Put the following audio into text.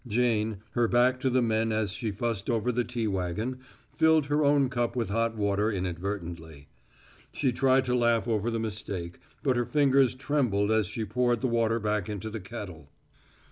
Jane, her back to the men as she fussed over the tea wagon, filled her own cup with hot water inadvertently. She tried to laugh over the mistake, but her fingers trembled as she poured the water back into the kettle.